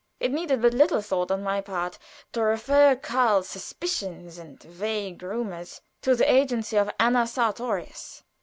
It needed but little thought on my part to refer Karl's suspicions and vague rumors to the agency of Anna Sartorius.